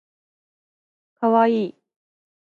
かわいい